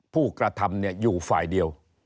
ผู้กระทำอยู่ฝ่ายเดียว